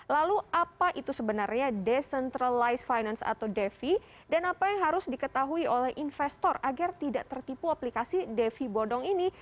lalu apa itu sebenarnya decentralized finance atau defi dan apa yang harus diketahui oleh investor agar tidak tertipu aplikasi devi bodong ini